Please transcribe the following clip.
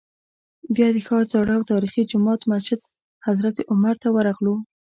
بیا د ښار زاړه او تاریخي جومات مسجد حضرت عمر ته ورغلو.